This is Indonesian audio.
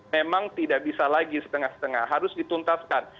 memang tidak bisa lagi setengah setengah harus dituntaskan